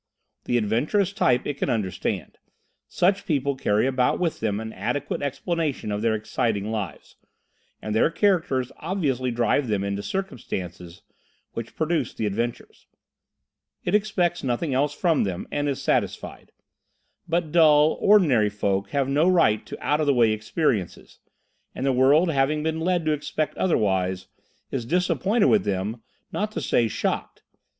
The adventurous type it can understand: such people carry about with them an adequate explanation of their exciting lives, and their characters obviously drive them into the circumstances which produce the adventures. It expects nothing else from them, and is satisfied. But dull, ordinary folk have no right to out of the way experiences, and the world having been led to expect otherwise, is disappointed with them, not to say shocked.